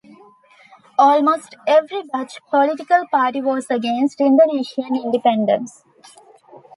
Almost every Dutch political party was against Indonesian independence.